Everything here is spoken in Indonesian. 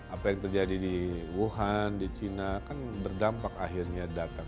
apa yang terjadi di wuhan di china kan berdampak akhirnya datang